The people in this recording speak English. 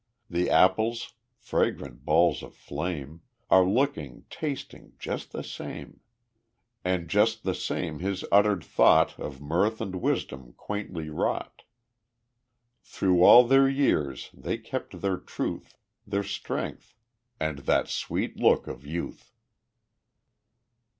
The apples fragrant balls of flame Are looking, tasting, just the same. And just the same his uttered thought Of mirth and wisdom quaintly wrought. Through all their years they kept their truth, Their strength, and that sweet look of youth.